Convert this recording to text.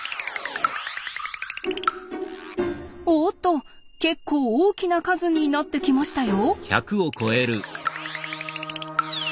おっと結構大きな数になってきましたよ。